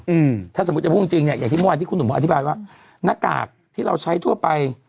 อืมถ้าสมมุติจะพูดจริงจริงเนี้ยอย่างที่เมื่อวานที่คุณหนุ่มผมอธิบายว่าหน้ากากที่เราใช้ทั่วไป